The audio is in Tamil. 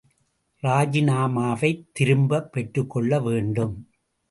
ராஜிநாமாவைத் திரும்பப் பெற்றுக்கொள்ள வேண்டும்.